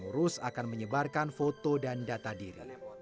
pengurus akan menyebarkan foto dan data diri